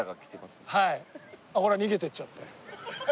ほら逃げてっちゃった。